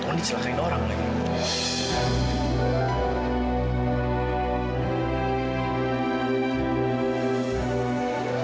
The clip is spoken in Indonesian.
tuhan diselakain orang lagi